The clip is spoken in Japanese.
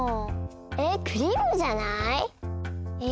えクリームじゃない？え？